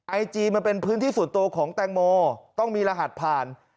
ไอจีมันเป็นพื้นที่ส่วนตัวของแตงโมต้องมีรหัสผ่าน